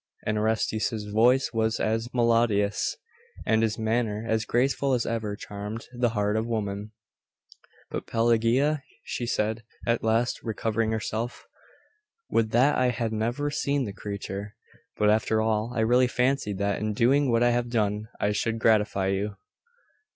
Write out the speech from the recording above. And Orestes's voice was as melodious, and his manner as graceful as ever charmed the heart of woman. 'But Pelagia?' she said, at last, recovering herself. 'Would that I had never seen the creature! But, after all, I really fancied that in doing what I have done I should gratify you.